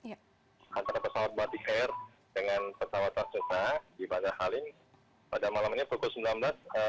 antara pesawat batik air dengan pesawat transnusra di bajah halim pada malam ini pukul sembilan belas lima puluh lima